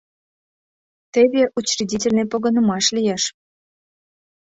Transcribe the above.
Теве Учредительный погынымаш лиеш.